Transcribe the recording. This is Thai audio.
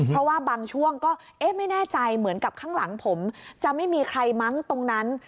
เพราะว่าบางช่วงก็เอ๊ะไม่แน่ใจเหมือนกับข้างหลังผมจะไม่มีใครมั้งตรงนั้น